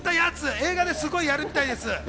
映画ですごいやるみたいです。